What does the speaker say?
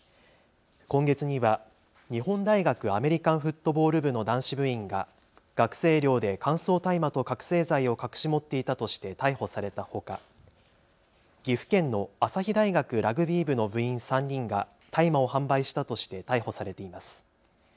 今月には日本大学アメリカンフットボール部の男子部員が学生寮で乾燥大麻と覚醒剤を隠し持っていたとして逮捕されたほか岐阜県の朝日大学ラグビー部の部員３人が大麻を販売したとして逮捕されています。